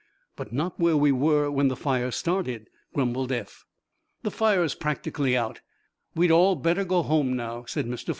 "But not where we were when the fire started," grumbled Eph. "The fire's practically out; we'd all better go home now," said Mr. Farnum.